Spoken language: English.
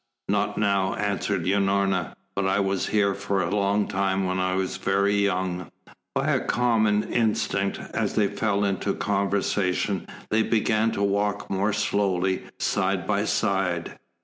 "Not now," answered Unorna. "But I was here for a long time when I was very young." By a common instinct, as they fell into conversation, they began to walk more slowly, side by side.